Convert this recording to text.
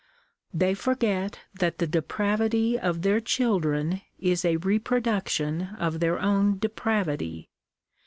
They forget that the depravity of their children is a reproduction of their own depravity.